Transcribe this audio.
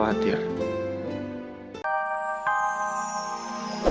sungguh ku khawatir